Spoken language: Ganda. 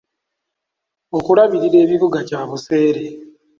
Okulabirira ebibuga kya buseere.